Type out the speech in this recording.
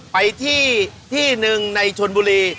ไปที่ที่หนึ่งในชนบุรี